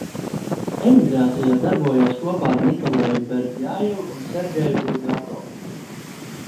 Emigrācijā darbojās kopā ar Nikolaju Berdjajevu un Sergeju Bulgakovu.